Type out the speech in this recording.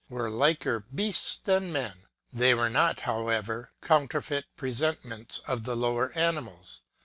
were liker beasts than men. They were not, however, counterfeit present ments of the lower animals.